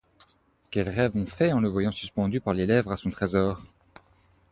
Quels rêves on fait en le voyant suspendu par les lèvres à son trésor?